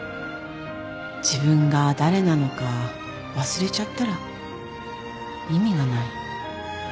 自分が誰なのか忘れちゃったら意味がない。